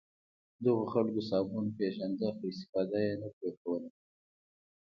دغو خلکو صابون پېژانده خو استفاده یې نه ترې کوله.